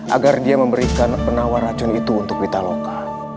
agar dia memberikan penawar racun itu untuk pitaloka